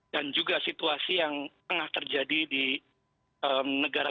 dan juga situasi yang tengah terjadi di negara